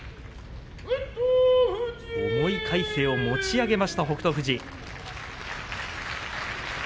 重い魁聖を持ち上げました北勝富士。